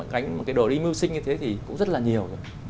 gánh một cái đồ đi mưu sinh như thế thì cũng rất là nhiều rồi